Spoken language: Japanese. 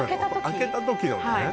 開けた時のね